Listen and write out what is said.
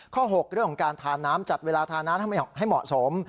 ๖เรื่องของการทาน้ำจัดเวลาทาน้ำให้เหมาะสม